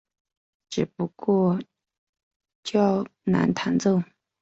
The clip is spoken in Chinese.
只不过较难弹奏。